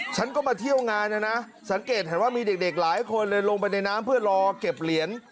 ฉันก็มาเที่ยวงานนะนะสังเกตเห็นว่ามีเด็กหลายคนเลยลงไปในน้ำเพื่อรอเก็บเหรียญ